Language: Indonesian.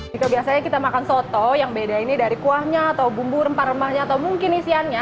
jika biasanya kita makan soto yang beda ini dari kuahnya atau bumbu rempah rempahnya atau mungkin isiannya